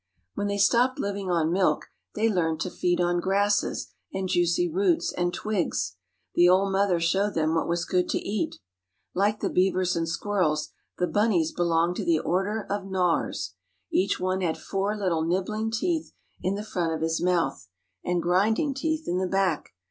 When they stopped living on milk they learned to feed on grasses and juicy roots and twigs. The old mother showed them what was good to eat. Like the beavers and squirrels the bunnies belonged to the Order of Gnawers. Each one had four little nibbling teeth in the front of his mouth, and grinding teeth in the back.